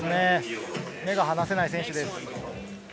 目が離せない選手です。